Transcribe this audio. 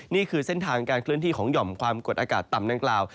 นี่คือเส้นทางการเคลื่อนที่ของหย่อมความกดอากาศต่ำดังกล่าว